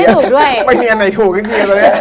คิดมากก็ไม่ใช่